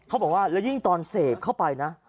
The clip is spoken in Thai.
เขาบอกว่าแล้วยิ่งตอนเสพเข้าไปนะ